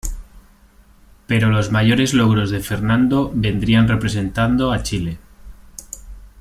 Pero los mayores logros de Fernando vendrían representando a Chile.